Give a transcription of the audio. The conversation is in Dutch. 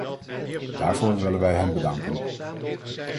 Daarvoor willen wij hen bedanken.